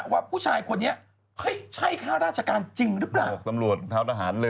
ว่าผู้ชายคนนี้ใช่ข้าราชการจริงหรือเปล่า